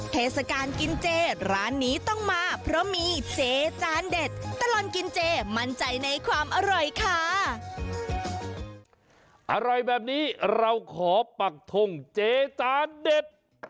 เทศการกินเจร้านนี้ต้องมาเพราะมีเจนเด็ด